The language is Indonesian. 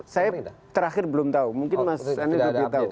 saya terakhir belum tahu mungkin mas andri lebih tahu